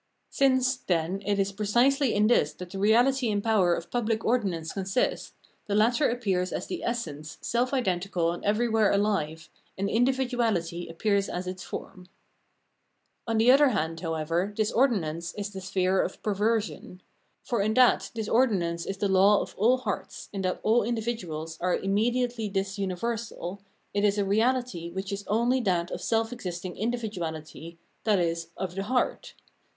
Since, then, it is precisely in this that the reality and power of pubHc ordinance consist, the latter appears as the essence, self identical and everywhere alive, and individuality appears as its form. On the other hand, however, this ordinance is the sphere of perversion. For in that this ordinance is the law of all hearts, in that all individuals are immediately this universal, it is a reality which is only that of self existing individuahty, i.e. of the heart.